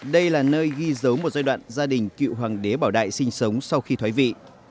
đây là nơi ghi dấu một giai đoạn gia đình cựu hoàng đế bảo đại sinh sống sau khi thoái vị